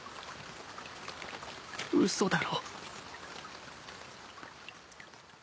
嘘だろ。